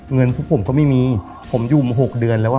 เงินพวกผมก็ไม่มีผมอยู่มาหกเดือนแล้วอ่ะ